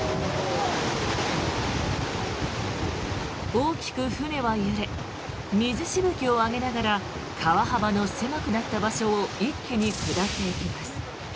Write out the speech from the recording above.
大きく船は揺れ水しぶきを上げながら川幅の狭くなった場所を一気に下っていきます。